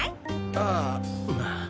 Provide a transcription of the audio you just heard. あぁまあ。